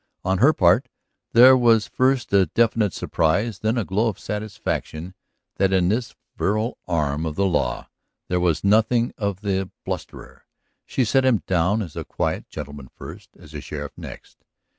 On her part, there was first a definite surprise, then a glow of satisfaction that in this virile arm of the law there was nothing of the blusterer. She set him down as a quiet gentleman first, as a sheriff next.